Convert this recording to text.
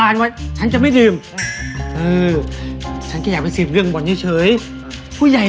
โอ้โหจะที่ไหนล่ะผู้ใหญ่